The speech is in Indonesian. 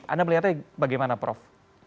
anda melihatnya bagaimana prof